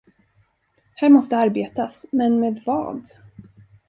Här måste arbetas, men med vad?